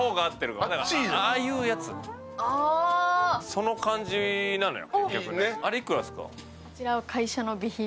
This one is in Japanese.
その感じなのよ。